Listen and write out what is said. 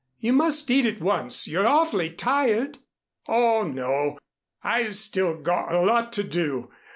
You must eat at once, you're awfully tired." "Oh, no, I've still got a lot to do.